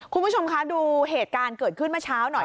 คุณผู้ชมคะดูเหตุการณ์เกิดขึ้นเมื่อเช้าหน่อย